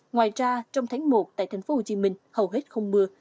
ngoài ra trong tháng một tại thành phố hồ chí minh hầu hết không mưa